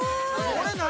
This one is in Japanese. これ何？